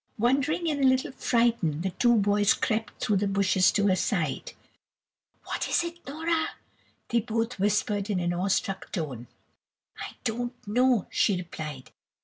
Wondering, and a little frightened, the two boys crept through the bushes to her side. "What is it, Nora?" they both whispered in an awestruck tone. "I don't know," she replied.